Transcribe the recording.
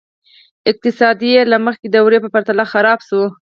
اقتصاد یې له مخکې دورې په پرتله خراب شو.